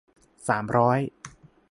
สามร้อย